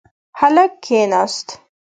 هلک کښېناست.